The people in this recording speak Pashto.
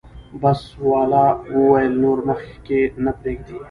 بس والا وویل نور مخکې نه پرېږدي.